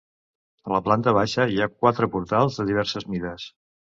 A la planta baixa hi ha quatre portals de diverses mides.